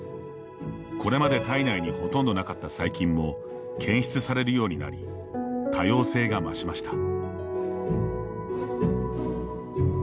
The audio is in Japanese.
これまで体内にほとんどなかった細菌も検出されるようになり多様性が増しました。